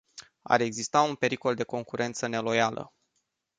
Ar exista un pericol de concurență neloială.